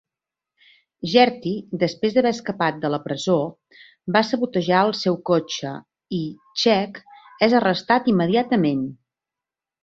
Gertie, després d'haver escapat de la presó, va sabotejar el seu cotxe i Scheck és arrestat immediatament.